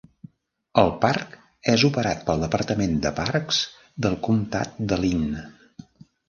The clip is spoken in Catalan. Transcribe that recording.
El parc és operat pel departament de parcs del comtat de Linn.